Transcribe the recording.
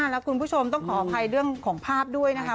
แล้วคุณผู้ชมต้องขออภัยเรื่องของภาพด้วยนะคะ